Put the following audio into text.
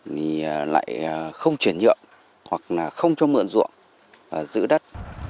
thì lại không chuyển nhượng hoặc là không cho mượn ruộng giữ đất